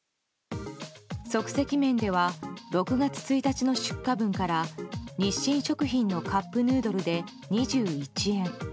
即席麺では６月１日の出荷分から日清食品のカップヌードルで２１円。